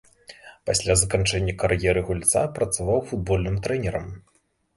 Пасля заканчэння кар'еры гульца працаваў футбольным трэнерам.